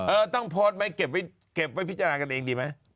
เออต้องโพสต์ไหมเก็บไว้พิจารณากันเองดีไหม